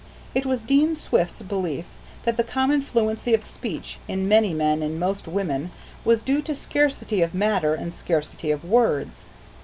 It was Dean Swift's belief that the common fluency of speech in many men and most women was due to scarcity of matter and scarcity of words.